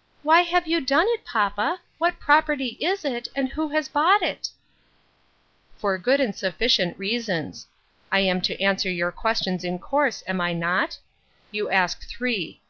" Why have you done it, papa ? What property is it, and who has bought it ?"" For good and sufficient reasons ; I am to an swer your questions in course, am I rot ? You ask three.